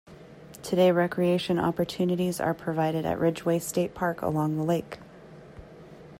Today recreation opportunities are provided at Ridgway State Park along the lake.